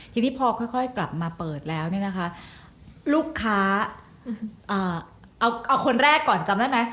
ทีนี้พอค่อยกลับมาเปิดแล้วลูกค้าเอาคนแรกก่อนจำได้มั้ย